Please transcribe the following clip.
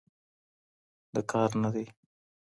د كار نه دى